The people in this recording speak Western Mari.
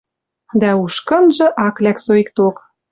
Дӓ уж кынжы ак лӓк соикток...»